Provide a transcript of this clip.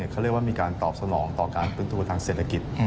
เขาเรียกว่ามีการตอบสนองต่อการฟื้นตัวทางเศรษฐกิจ